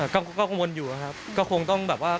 ก็กังวลอยู่นะครับก็คงต้องแบบว่า